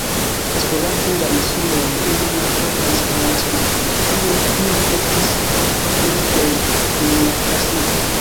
Esplorante la insulon, ili malkovras palacon, kie ili estis gereĝoj dum la pasinto.